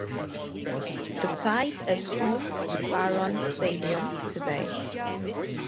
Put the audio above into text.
The site is home to Barron Stadium today.